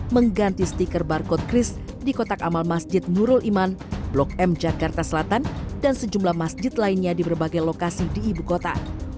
mengganti stiker barcode kris di kotak amal masjid nurul iman blok m jakarta selatan dan sejumlah masjid lainnya di berbagai lokasi di ibu kota